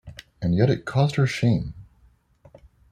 And yet it caused her shame.